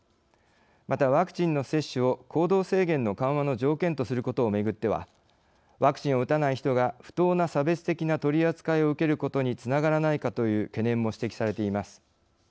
また、ワクチンの接種を行動制限の緩和の条件とすることをめぐってはワクチンを打たない人が不当な差別的な取り扱いを受けることにつながらないかという懸念も指摘されています。